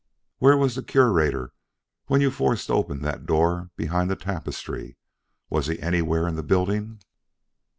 "Where was the Curator when you forced open that door behind the tapestry? Was he anywhere in the building?"